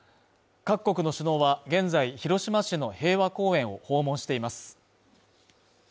各国の首脳は、現在広島市の平和公園を訪問しています。